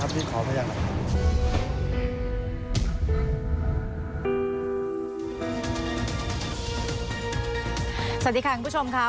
สวัสดีค่ะคุณผู้ชมค่ะ